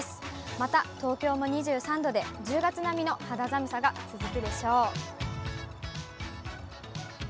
また東京も２３度で、１０月並みの肌寒さが続くでしょう。